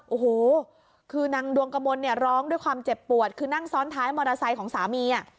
โอ้โหคือนางดวงกมลเนี่ยร้องด้วยความเจ็บปวดคือนั่งซ้อนท้ายมอเตอร์ไซค์ของสามี